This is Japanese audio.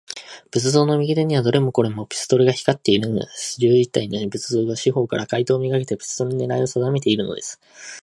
仏像の右手には、どれもこれも、ピストルが光っているのです。十一体の仏像が、四ほうから、怪盗めがけて、ピストルのねらいをさだめているのです。